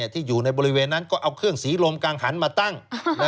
ที่อยู่ในบริเวณนั้นก็เอาเครื่องสีลมกังหันมาตั้ง